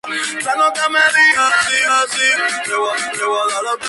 Esta le concede tres minutos.